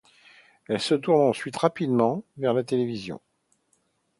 Il se tourne ensuite rapidement vers la télévision.